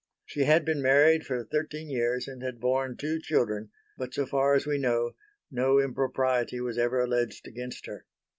She had been married for thirteen years and had borne two children, but so far as we know no impropriety was ever alleged against her.